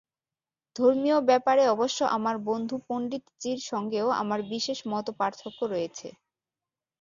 ধর্মীয় ব্যাপারে অবশ্য আমার বন্ধু পণ্ডিতজীর সঙ্গেও আমার বিশেষ মতপার্থক্য রয়েছে।